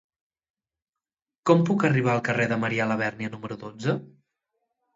Com puc arribar al carrer de Marià Labèrnia número dotze?